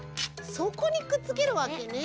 そこにくっつけるわけね。